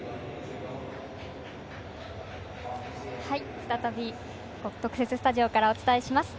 再び特設スタジオからお伝えします。